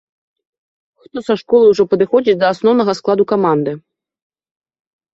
Хто са школы ўжо падыходзіць да асноўнага складу каманды.